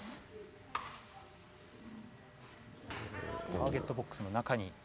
ターゲットボックスの中に。